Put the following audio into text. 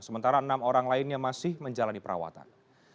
sementara enam orang lainnya masih menjalani perawatan